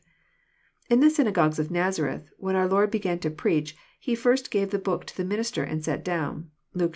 In the synagogues of Nazareth, when our Lord oegan to preach. He first *' gave the b<>ok to the minister, and sat down." (Luke iv.